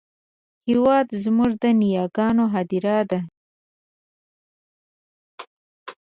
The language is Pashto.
هېواد زموږ د نیاګانو هدیره ده